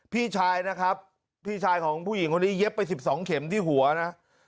พี่ชายนะครับพี่ชายของผู้หญิงคนนี้เย็บไป๑๒เข็มที่หัวนะ